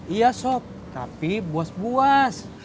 iya sop tapi buas buas